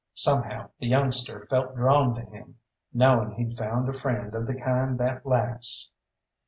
Somehow the youngster felt drawn to him, knowing he'd found a friend of the kind that lasts.